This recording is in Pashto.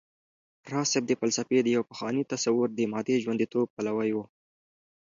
راز صيب د فلسفې د يو پخواني تصور د مادې ژونديتوب پلوی و